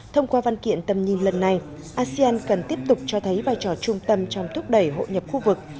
thông qua văn kiện tầm nhìn lần này asean cần tiếp tục cho thấy vai trò trung tâm trong thúc đẩy hội nhập khu vực